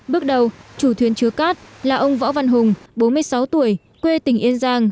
bước đầu chủ thuyền chứa cát là ông võ văn hùng bốn mươi sáu tuổi quê tỉnh yên giang